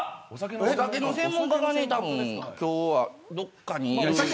お酒の専門家が今日はどっかにいる。